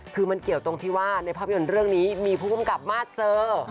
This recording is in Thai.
คือมันเกี่ยวตรงที่ว่าในภาพยนตร์เรื่องนี้มีผู้กำกับมาสเจอ